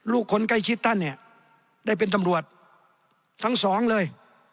คนใกล้ชิดท่านเนี่ยได้เป็นตำรวจทั้งสองเลย